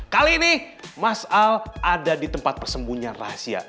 kali ini mas al ada di tempat persembunyian rahasia